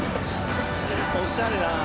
おしゃれだな！